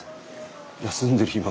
休んでる